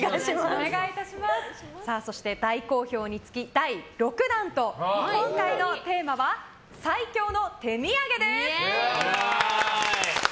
そして、大好評につき第６弾となりますが今回のテーマは最強の手土産です！